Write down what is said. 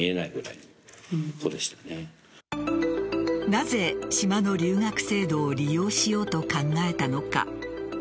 なぜ島の留学制度を利用しようと考えたのか。